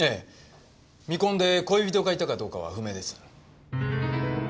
未婚で恋人がいたかどうかは不明です。